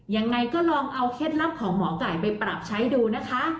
ยังไงก็ลองเอาเคล็ดลับของหมอไก่ไปปรับใช้ดูนะคะ